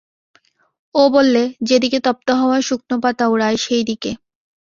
ও বললে, যে দিকে তপ্ত হাওয়া শুকনো পাতা ওড়ায় সেই দিকে।